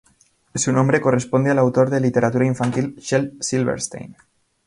Su nombre corresponde al autor de literatura infantil Shel Silverstein.